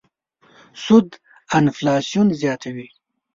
سود انفلاسیون زیاتوي.